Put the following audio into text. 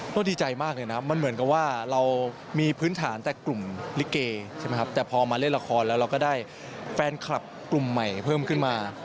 ก็ดีใจมากเลยนะมันเหมือนกับว่าเรามีพื้นฐานแต่กลุ่มลิเกใช่ไหมครับแต่พอมาเล่นละครแล้วเราก็ได้แฟนคลับกลุ่มใหม่เพิ่มขึ้นมา